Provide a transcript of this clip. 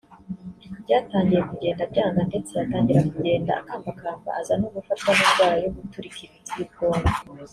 Byatangiye kugenda byanga ndetse atangira kugenda akambakamba aza no gufawa n‘indwara yo guturika imitsi y’ubwonko